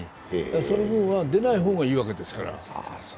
その分は出ない方がいいわけですから。